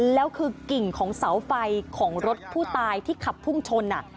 แล้วคือกิ่งของเสาไฟของรถผู้ตายที่ขับพุ่งชน